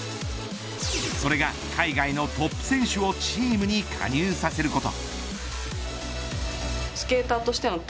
それが、海外のトップ選手をチームに加入させること。